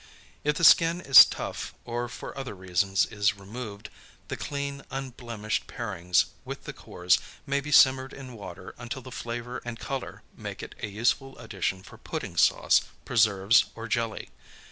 If the skin is tough or for other reasons is removed, the clean, unblemished parings, with the cores, may be simmered in water until the flavor and color make it a useful addition for pudding sauce, preserves, or jelly.